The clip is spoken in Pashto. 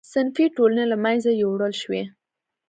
صنفي ټولنې له منځه یووړل شوې.